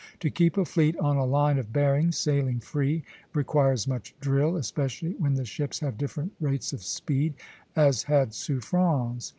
To keep a fleet on a line of bearing, sailing free, requires much drill, especially when the ships have different rates of speed, as had Suffren's.